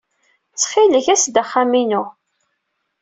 Ttxil-k, as-d s axxam-inu.